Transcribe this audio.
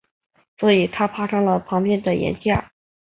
所以他爬上了旁边的岩架。